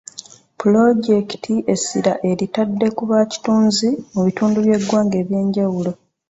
Pulojekiti essira eritadde ku bakitunzi mu bitundu by'eggwanga eby'enjawulo.